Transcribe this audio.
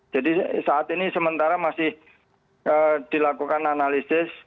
jadi saat ini sementara masih dilakukan analisis